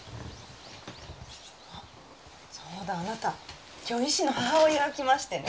あっそうだあなた今日石の母親が来ましてね